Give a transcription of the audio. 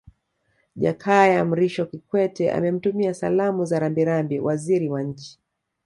Jakaya Mrisho Kikwete amemtumia Salamu za Rambirambi Waziri wa Nchi